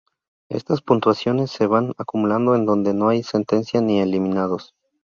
Estas puntuaciones se van acumulando en donde no hay sentencia ni eliminados.